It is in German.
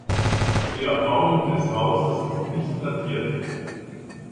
Die Erbauung des Hauses ist nicht datiert.